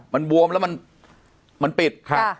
มันบวมแล้วมันปิด